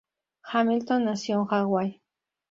Hamilton nació en Hawaii.